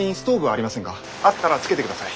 あったらつけてください。